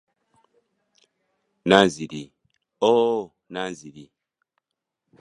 Nanziri oh Nanziri!